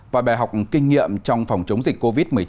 và bài học kinh nghiệm trong phòng chống dịch covid một mươi chín